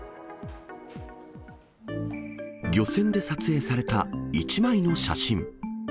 漁船で撮影された一枚の写真。